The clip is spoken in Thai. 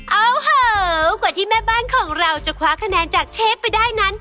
เอาเห่ากว่าที่แม่บ้านของเราจะคว้าคะแนนจากเชฟไปได้นั้น